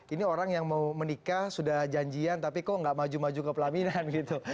ini orang yang mau menikah sudah janjian tapi kok nggak maju maju ke pelaminan gitu